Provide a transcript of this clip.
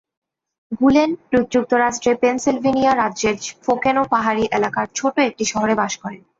গুলেন যুক্তরাষ্ট্রের পেনসিলভানিয়া রাজ্যের ফোকোনো পাহাড়ি এলাকার ছোট একটি শহরে বাস করেন।